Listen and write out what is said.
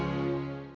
gak asik juga